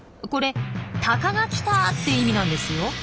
これ「タカが来た」って意味なんですよ。